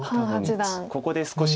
ここで少し。